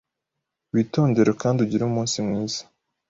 Witondere kandi ugire umunsi mwiza.